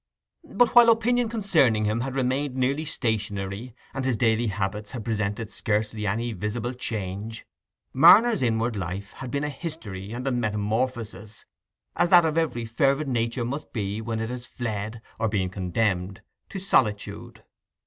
But while opinion concerning him had remained nearly stationary, and his daily habits had presented scarcely any visible change, Marner's inward life had been a history and a metamorphosis, as that of every fervid nature must be when it has fled, or been condemned, to solitude.